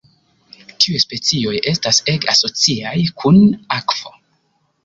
Tiuj specioj estas ege asociaj kun akvo.